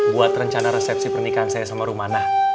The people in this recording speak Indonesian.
buat rencana resepsi pernikahan saya sama rumanah